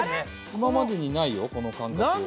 今までにないよこの感覚。